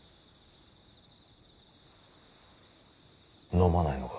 飲まないのか。